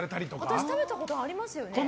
私、食べたことありますよ。